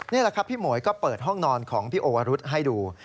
นี่แหละครับพี่หมวยก็เปิดห้องนอนของพี่โอวรุษให้ดู